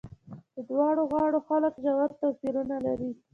د دواړو غاړو خلک ژور توپیرونه لري.